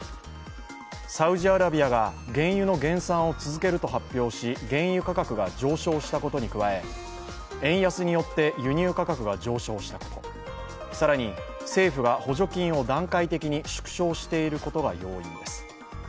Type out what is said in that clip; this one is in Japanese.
サウジアラビアが原油の減産を続けると発表し原油価格が上昇したことに加え、円安によって輸入価格が上昇したこと更に、政府が補助金を段階的に縮小していることが要因です。